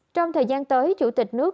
trong thời gian tới chủ tịch nước